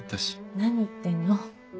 何言ってんの。